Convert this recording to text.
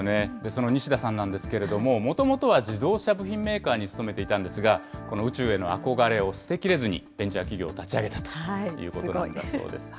その西田さんなんですけれども、もともとは自動車部品メーカーに勤めていたんですが、この宇宙への憧れを捨てきれずに、ベンチャー企業を立ち上げたということなんだそうです。